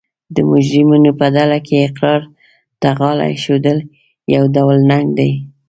د مجرمینو په ډله کې اقرار ته غاړه ایښول یو ډول ننګ دی